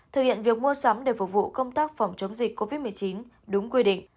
thực hiện việc mua sắm để phục vụ công tác phòng chống dịch covid một mươi chín đúng quy định